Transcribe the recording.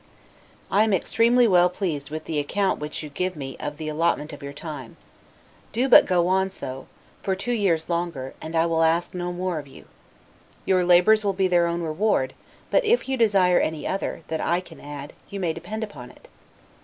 I am extremely well pleased with the account which you give me of the allotment of your time. Do but go on so, for two years longer, and I will ask no more of you. Your labors will be their own reward; but if you desire any other, that I can add, you may depend upon it.